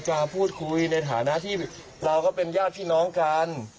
จะพูดคุยในฐานะที่เราก็เป็นญาติพี่น้องกัน